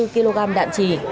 năm bốn kg đạn trì